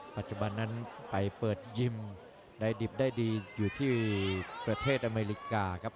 ปัจจุบันนั้นไปเปิดยิมได้ดิบได้ดีอยู่ที่ประเทศอเมริกาครับ